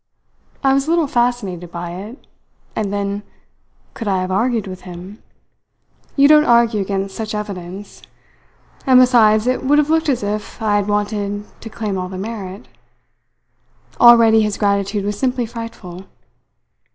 I was a little fascinated by it and then, could I have argued with him? You don't argue against such evidence, and besides it would have looked as if I had wanted to claim all the merit. Already his gratitude was simply frightful.